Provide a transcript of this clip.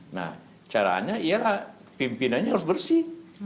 nah caranya ialah pimpinannya harus bersih